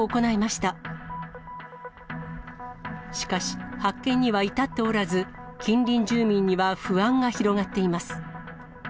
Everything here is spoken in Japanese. しかし、発見には至っておらず、近隣住民には不安が広がっています。